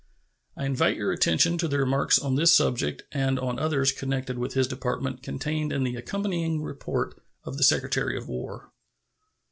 I invite your attention to the remarks on this subject and on others connected with his Department contained in the accompanying report of the Secretary of War.